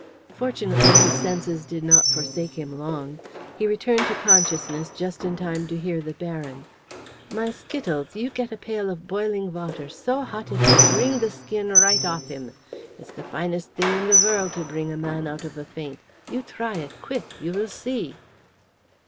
Fortunately, his senses did not forsake him long. He returned to consciousness just in time to hear the Baron "My Skittles, you get a pail of boiling water, so hot it will bring the skin right off him. It's the finest thing in the world to bring a man out of a faint you try it, quick, you will see."